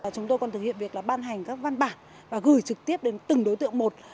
chúng tôi còn thực hiện việc ban hành các văn bản và gửi trực tiếp đến từng đối tượng một